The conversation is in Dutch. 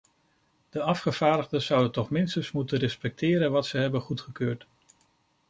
De afgevaardigden zouden toch minstens moeten respecteren wat zij hebben goedgekeurd.